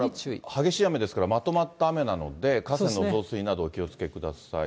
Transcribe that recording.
激しい雨ですから、まとまった雨なので、河川の増水などお気をつけください。